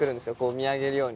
見上げるように。